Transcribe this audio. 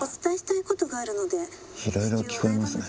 いろいろ聞こえますね。